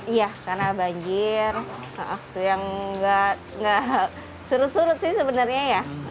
iya karena banjir waktu yang nggak surut surut sih sebenarnya ya